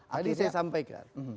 tadi saya sampaikan